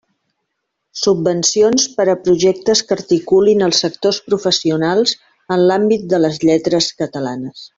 Subvencions per a projectes que articulin els sectors professionals en l'àmbit de les lletres catalanes.